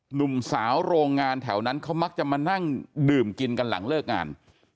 หนุ่มสาวโรงงานแถวนั้นเขามักจะมานั่งดื่มกินกันหลังเลิกงาน